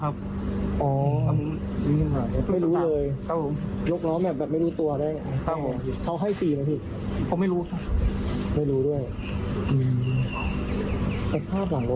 พี่เจ็บขนาดไหร่